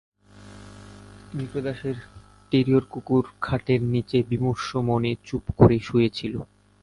বিপ্রদাসের টেরিয়র কুকুর খাটের নীচে বিমর্ষ মনে চুপ করে শুয়ে ছিল।